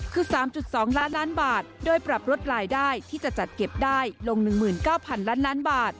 คือสามจุดสองล้านล้านบาทโดยปรับลดรายได้ที่จะจัดเก็บได้ลงหนึ่งหมื่นเก้าพันล้านล้านบาท